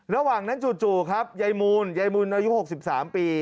ระหว่างนั้นจู่ครับยายมูลยายมูลอายุ๖๓ปี